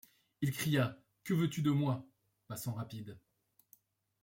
Il cria : Que veux-tu de moi ?, passant rapide.